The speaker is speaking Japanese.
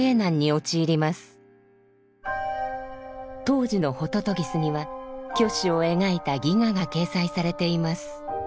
当時の「ホトトギス」には虚子を描いた戯画が掲載されています。